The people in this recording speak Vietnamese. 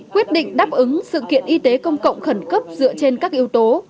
quyết định đáp ứng sự kiện y tế công cộng khẩn cấp dựa trên các yếu tố